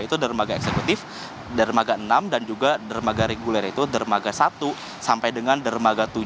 itu dermaga eksekutif dermaga enam dan juga dermaga reguler yaitu dermaga satu sampai dengan dermaga tujuh